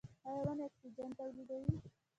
ایا ونې اکسیجن تولیدوي؟